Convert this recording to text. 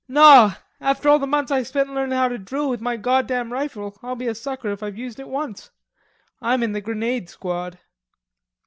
"Naw; after all the months I spent learnin' how to drill with my goddam rifle, I'll be a sucker if I've used it once. I'm in the grenade squad."